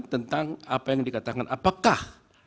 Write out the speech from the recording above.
tentang apa yang dikatakan apakah